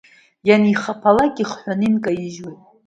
Ианихаԥалак, ихҳәаны инкаижьуеит.